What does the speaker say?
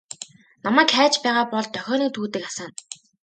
Намайг хайж байгаа бол дохионы түүдэг асаана.